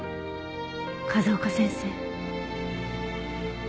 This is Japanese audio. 風丘先生。